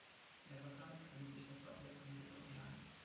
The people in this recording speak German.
An der Fassade befindet sich das Wappen der Familie Torriani.